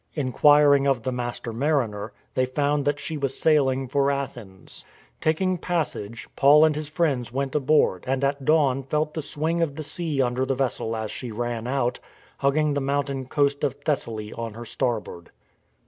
Inquiring of the master mariner, they found that she was sailing for Athens. Taking passage, Paul and his friends went aboard and at dawn felt the swing of the sea under the vessel as she ran out, hugging the mountain coast of Thessaly on her starboard.